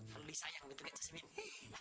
kalau masalah tv nanti kak semin cari